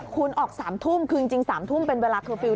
คุณออก๓ทุ่มคือจริง๓ทุ่มเป็นเวลาเคอร์ฟิลล